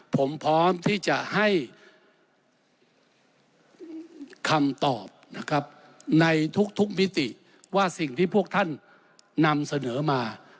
ผมพร้อมที่จะให้คำตอบนะครับในทุกมิติว่าสิ่งที่พวกท่านนำเสนอมา